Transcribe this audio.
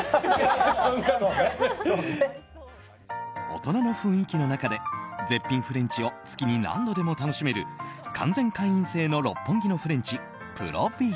大人の雰囲気の中で絶品フレンチを月に何度でも楽しめる完全会員制の六本木のフレンチＰｒｏｖｉｓｉｏｎ。